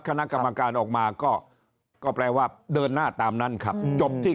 คณะกรรมการออกมาก็แปลว่าเดินหน้าตามนั้นครับจบที่